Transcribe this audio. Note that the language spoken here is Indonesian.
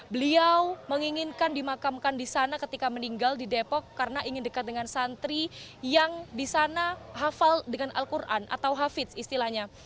beliau menginginkan dimakamkan di sana ketika meninggal di depok karena ingin dekat dengan santri yang di sana hafal dengan al quran atau hafiz istilahnya